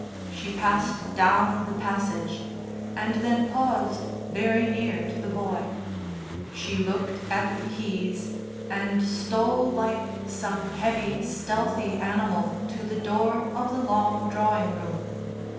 She passed down the passage, and then paused very near to the boy. She looked at the keys, and stole like some heavy, stealthy animal to the door of the long drawing room.